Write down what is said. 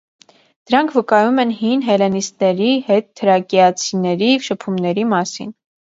Դրանք վկայում են հին հելլենիստների հետ թրակիացիների շփումների մասին։